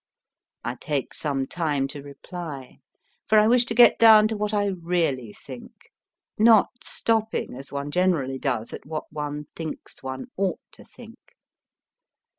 I take some time to reply, for I wish to get down to what I really think, not stopping, as one generally does, at what one thinks one ought to think.